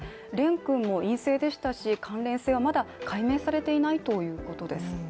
蓮君も陰性でしたし、関連性はまだ解明されていないということです